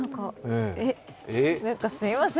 なんか、すみません。